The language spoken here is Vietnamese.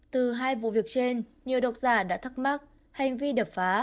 từ hai vụ việc trên nhiều độc giả đã thắc mắc hành vi đập phá